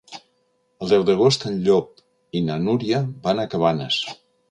El deu d'agost en Llop i na Núria van a Cabanes.